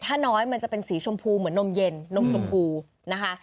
ถ้าน้อยมันจะเป็นสีชมพูเหมือนนมเย็นนมชมพูนะคะ